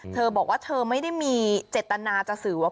เธอบอกว่าเธอไม่ได้มีเจตนาจะสื่อว่า